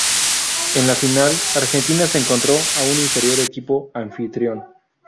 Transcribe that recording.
En la final, Argentina se encontró a un inferior equipo anfitrión.